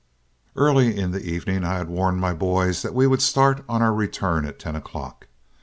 Early in the evening I had warned my boys that we would start on our return at ten o'clock.